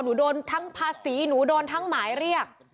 โดนทั้งภาษีหนูโดนทั้งหมายเรียก